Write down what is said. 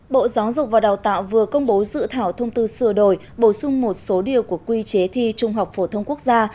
bộ giáo dục và đào tạo vừa công bố dự thảo thông tư sửa đổi bổ sung một số điều của quy chế thi trung học phổ thông quốc gia